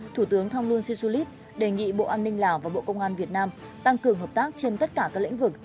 thủ tướng thông luân si su lít đề nghị bộ an ninh lào và bộ công an việt nam tăng cường hợp tác trên tất cả các lĩnh vực